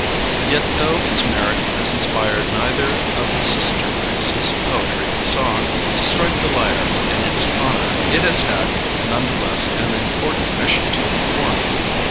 Yet though its merit has inspired neither of the sister graces, poetry and song, to strike the lyre in its honor, it has had, none the less, an important mission to perform.